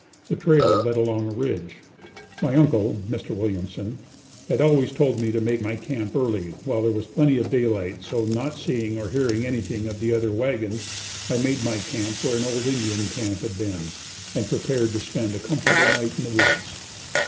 The trail led along a ridge. My Uncle, Mr. Williamson, had always told me to make my camp early while there was plenty of light, so not seeing or hearing anything of the other wagon, I made my camp where an old Indian camp had been and prepared to spend a comfortable night in the woods.